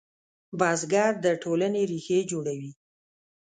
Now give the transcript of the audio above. بزګر د ټولنې ریښې جوړوي